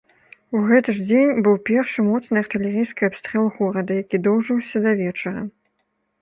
У гэты ж дзень быў першы моцны артылерыйскі абстрэл горада, які доўжыўся да вечара.